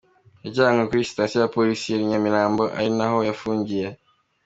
Yajyanywe kuri sitasiyo ya polisi ya Nyamirambo ari na ho afungiye.